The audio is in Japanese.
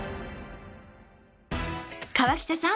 川北さん